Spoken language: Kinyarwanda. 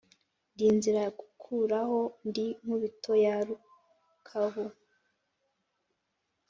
Ndi nzira gukuraho, ndi Nkubito ya Rukabu,